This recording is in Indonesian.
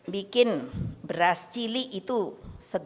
bikin beras cili itu segar